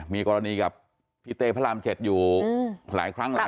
มีกรณีกับพี่เต้พระราม๗อยู่หลายครั้งหลาย